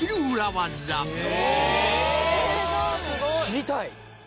知りたい！